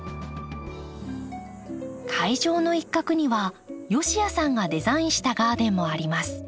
会場の一画には吉谷さんがデザインしたガーデンもあります。